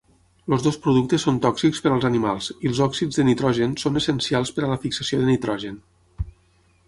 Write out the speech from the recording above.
Els dos productes són tòxics per als animals i els òxids de nitrogen són essencials per a la fixació de nitrogen.